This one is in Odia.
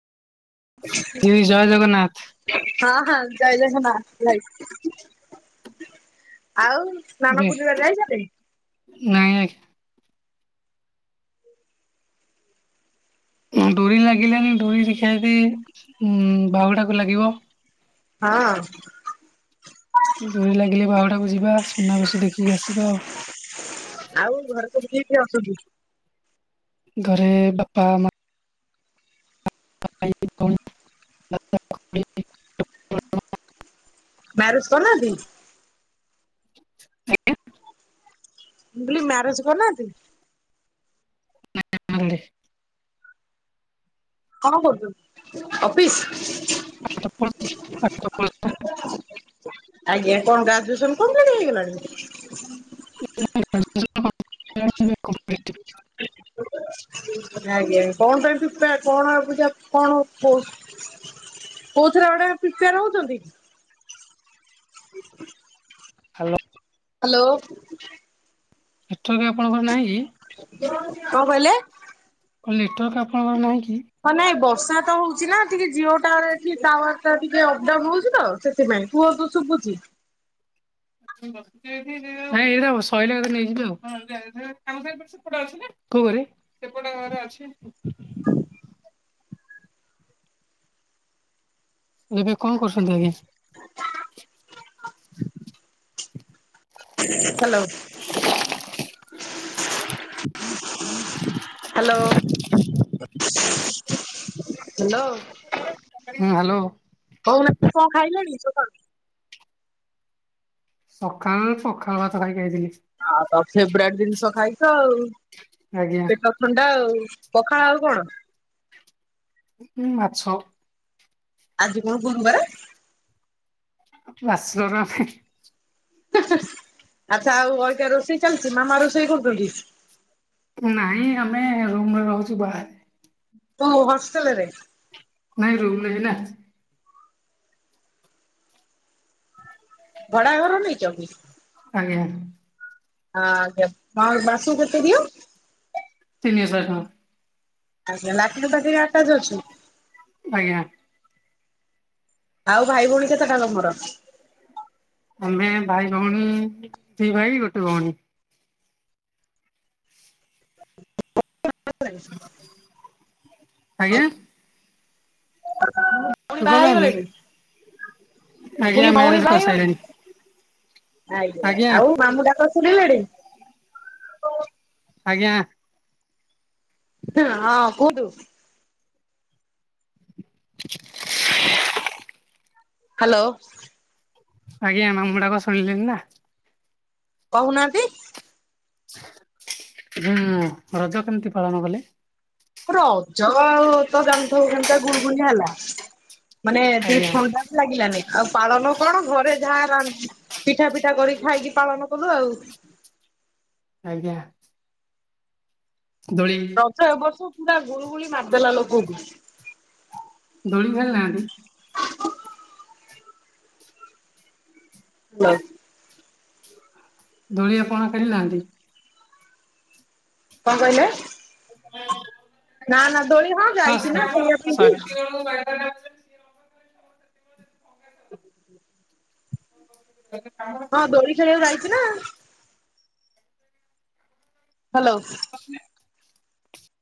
[unintelligible] ଜୟ ଜଗନ୍ନାଥ। ହଁ-ହଁ ଜୟ ଜଗନ୍ନାଥ! ଭାଇ ଆଉ ସ୍ନାନ ପୂର୍ଣ୍ଣିମା [inaudible] ଯାଇଛନ୍ତି? ନାଇଁ, ଆ ଡୋରି ଲାଗିଲାନି। ଡୋରି ଦେଖିଆ ଯଦି ବାହୁଡାକୁ ଲାଗିବ! ହଁ। ଡୋରି ଲାଗିଲେ ବାହୁଡ଼ାକୁ ଯିବା। ସୁନାବେଶ ଦେଖିକି ଆସିବା ଆଉ। ଆଉ ଘରେ ସବୁ କିଏ କିଏ ଅଛନ୍ତି? ଘରେ ବାପା, ମା [inaudible] ମ୍ୟାରେଜ୍ କରିନାହାଁନ୍ତି? ମୁଁ କହିଲି ମ୍ୟାରେଜ୍ କରିନାହାଁନ୍ତି? [inaudible] କଣ କରୁଛନ୍ତି, ଅଫିସ୍? [inaudible] ଆଜ୍ଞା, କଣ ଗ୍ରାଜୁଏସନ୍ କଂପ୍ଲିଟ୍ ହେଇଗଲାଣି? [inaudible] [inaudible] ଆଜ୍ଞା, କଣ ପାଇଁ ପ୍ରିପେୟା, କଣ ଆଉ ବୁଝା, କଣ କହୁ କୋଉଥିରେ ଗୋଟେ ପ୍ରିପେୟାର ହଉଛନ୍ତି କି? ହ୍ୟାଲୋ। ହ୍ୟାଲୋ। ନେଟୱାର୍କ ଆପଣଙ୍କର ନାହିଁ କି? କଣ କହିଲେ? କଣ ଲେଟୱାର୍କ ଆପଣଙ୍କର ନାହିଁ କି? ହଁ ନାଇଁ ବର୍ଷା ତ ହଉଛି ନା ଟିକେ ଜିଓ ଟାୱାର ଏଠି ଟାୱାର ଟା ଟିକେ ଅପଡାଉନ ହଉଛି ତ। ସେଥିପାଇଁ। କୁହନ୍ତୁ ଶୁଭୁଛି। ନାଇଁ ଏଇଟା ସଇଲେ ନେଇଯିବି ଆଉ। ସେପଟେ ଅଛି ନା। କୋଉ ଘରେ ସେପଟ ଘରେ ଅଛି। ଏବେ କଣ କରୁଛନ୍ତି ଅଜ୍ଞା। ହ୍ୟାଲୋ। Hello hello. ହୁଁ ହ୍ୟାଲୋ। କଉନା କଣ ଖାଇଲାଣି ସକାଳୁ? ସକାଳୁ ପଖାଳ ଭାତ ଖାଇକି ଆଇଥିଲି। ଆଉ ତ ଫେବରେଟ୍ ଜିନିଷ ଖାଇଛ ଆଉ। ଆଜ୍ଞା ଥଣ୍ଡା ଆଉ ପଖାଳ ଆଉ କଣ? ଉଁ ମାଛ ଆଜି କଣ ଗୁରୁବାର? ଆସୋଗ୍ରାଫି ଆଚ୍ଛା ଆଉ ଅଲଗା ରୋଷେଇ ଚାଲିଛି ମାମା ରୋଷେଇ କରୁଛନ୍ତି ନହିଁ ଆମେ ରୁମରେ ରହୁଛୁ ବାହାରେ। କଉ ହଷ୍ଟେଲରେ? ନାଇଁ ରୁମ ନେକିନା। ଭଡା ଘର ନେଇଚ। ଆଜ୍ଞା ହଁ ଆଜ୍ଞା ବାସୁ କେତେ ଦିଅ ତିିନି ହଜାର ଟଙ୍କା ଆଜ୍ଞା ଲାଟିନ୍ ଫାଟିନ ଆଟାଜ ଅଛି। ଆଜ୍ଞା ଆଉ ଭାଇ ଭଉଣୀ କେତେଟା ତମର? ଆମେ ଭାଇ ଭଉଣୀ ଦି ଭାଇ ଗୋଟେ ଭଉଣୀ। ଆଜ୍ଞା ଭୋଉଣି ଶୁଭା ବାହା ଯାଉନି ହେଇଗଲେଣି? ବୋଲି ଆଜ୍ଞା ଭଉଣୀ ମ୍ୟାରେଜ୍ ବାହା ହେଇଗଲେଣି? କରିସାରିଲେଣି। ଆଜ୍ଞା ଆଉ ମାମୁଁ ଡାକର ଶୁଣିଲେଣି। ଆଜ୍ଞା ହ ହଁ କୁହୁଠୁ ହ୍ୟାଲୋ ଆଜ୍ଞା ମାମୁଡାକ ଶୁଣିଲି ନା। କହୁନାହାନ୍ତି ଉଁ ରଜ କେମିତି ପାଳନ କଲେ? ରଜ ଆଉ ତ ଜାଣିଥିବୁ କେମତା ଗୁଲଗୁଲି ହେଲା ମାନେ ଟି ଆଜ୍ଞା ଥଣ୍ଡା। ଲାଗିଲାନି ଆଉ ପାଳନ କଣ ଘରେ ଯାହା ରା ପିଠା ପିଠା କରିକି ଖାଇକି ପାଳନ କଲୁ ଆଉ। ଆଜ୍ଞା ଦୋଳି ରଜ ଏ ବର୍ଷ ପୁରା ଗୁଲୁ ଗୁଳି ମାରିଦେଲା ଲୋକଙ୍କୁ। ଦୋଳି [unintelligible] ନାହାନ୍ତି। [inaudible] [unintelligible] ଦୋଳିଆପଣ ଖେଳି ନାହାନ୍ତି? କଣ କହିଲେ? ନା ନା ଦୋଳି ହଁ ଯାଇଛି ନା ଖେଳିବା ପାଇଁକି [unintelligible] [inaudible] ହଁ ଦୋଳି ଖେଳିବାକୁ ଯାଇଚି ନା। ହ୍ୟାଲୋ। [unintelligible]